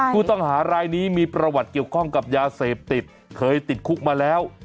ผู้ต้องหารายนี้มีประวัติเกี่ยวข้องกับยาเสพติดเคยติดคุกมาแล้ว